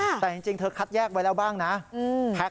แต่จริงเธอคัดแยกไว้แล้วบ้างนะ